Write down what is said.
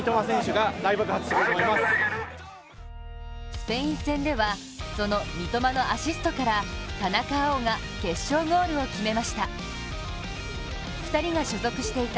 スペイン戦ではその三笘のアシストから田中碧が決勝ゴールを決めました。